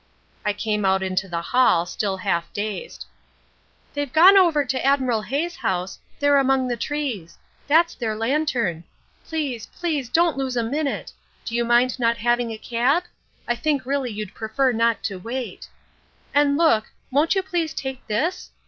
"I came out into the hall still half dazed. "'They've gone over to Admiral Hay's house, there among the trees. That's their lantern. Please, please, don't lose a minute. Do you mind not having a cab? I think really you'd prefer not to wait. And look, won't you please take this?'